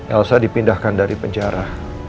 elsa dipindahkan dari penjara